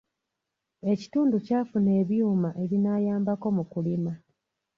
Ekitundu kyafuna ebyuma ebinaayambako mu kulima.